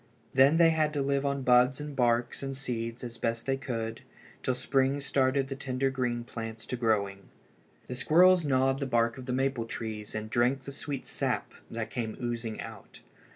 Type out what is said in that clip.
Then they had to live on buds and barks and seeds as best they could till spring started the tender green plants to growing. The squirrels gnawed the bark of the maple trees and drank the sweet sap that came oozing out.